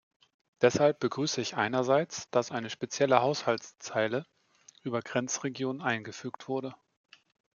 Deshalb begrüße ich einerseits, dass eine spezielle Haushaltszeile über Grenzregionen eingefügt wurde.